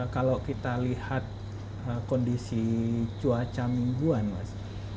kalau kita lihat kondisi cuaca mingguan mas